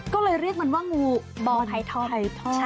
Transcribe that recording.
ก็เลยเรียกมันว่างูบ่อไทยทอด